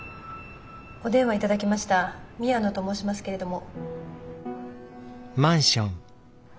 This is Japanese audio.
お電話頂きました宮野と申しますけれども。